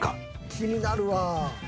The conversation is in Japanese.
気になるわ。